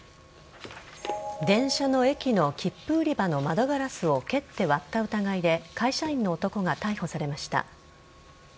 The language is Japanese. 電車の駅の切符売り場の窓ガラスを蹴って割った疑いで会社員の男が逮捕されました。